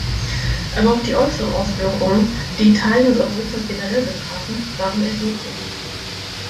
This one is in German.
Aber auch die äußeren Auswirkungen, die Italien und Europa generell betrafen, waren erheblich.